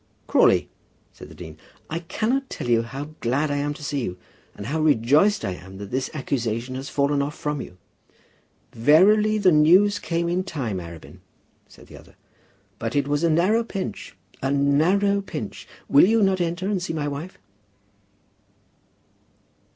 "Crawley," said the dean, "I cannot tell you how glad I am to see you, and how rejoiced I am that this accusation has fallen off from you." "Verily the news came in time, Arabin," said the other; "but it was a narrow pinch a narrow pinch. Will you not enter, and see my wife?"